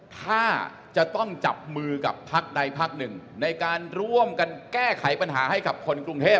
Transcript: ถ้าจะต้องจับมือกับพักใดพักหนึ่งในการร่วมกันแก้ไขปัญหาให้กับคนกรุงเทพ